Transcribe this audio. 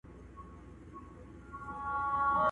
چې هغه ولي ګیله کوي